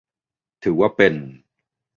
ถือว่าเป็น